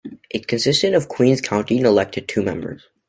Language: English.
It consisted of Queen's County, and elected two members.